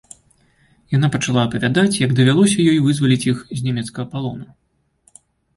Яна пачала апавядаць, як давялося ёй вызваліць іх з нямецкага палону.